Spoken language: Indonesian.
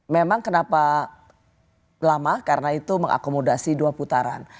memang kenapa lama karena itu mengakomodasi dua putaran